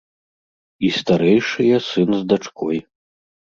І старэйшыя сын з дачкой.